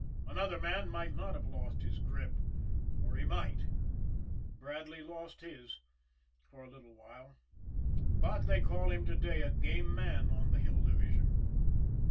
Another man might not have lost his grip or he might. Bradley lost his for a little while but they call him to day a game man on the Hill Division.